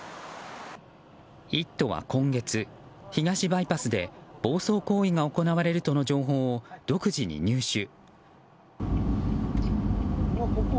「イット！」は今月東バイパスで暴走行為が行われるとの情報を独自に入手。